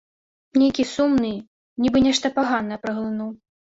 Нейкі сумны, нібы нешта паганае праглынуў.